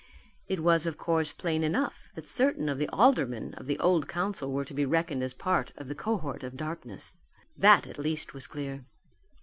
It was, of course, plain enough that certain of the aldermen of the old council were to be reckoned as part of the cohort of darkness. That at least was clear.